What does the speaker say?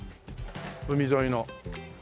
海沿いの。